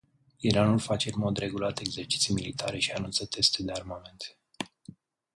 Iranul face în mod regulat exerciții militare și anunță teste de armament.